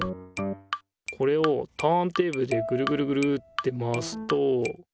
これをターンテーブルでグルグルグルって回すと。